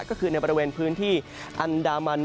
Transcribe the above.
ก็คือในบริเวณพื้นที่อันดามัน